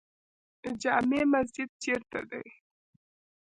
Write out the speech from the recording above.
جامع مسجد چیرته دی؟